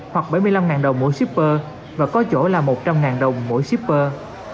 hoặc bảy mươi năm đồng mỗi shipper và có chỗ là một trăm linh đồng mỗi shipper